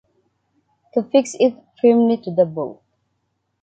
To fix it firmly to the boat